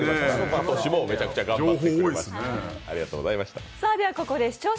かとしもめちゃくちゃ頑張ってくれました。